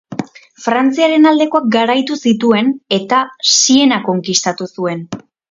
Frantziaren aldekoak garaitu zituen eta Siena konkistatu zuen.